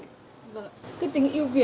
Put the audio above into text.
cái tính yêu việt của thiết bị